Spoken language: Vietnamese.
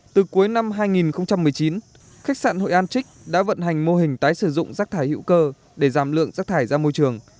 từ cuối năm hai nghìn một mươi chín khách sạn hội an trích đã vận hành mô hình tái sử dụng rác thải hữu cơ để giảm lượng rác thải ra môi trường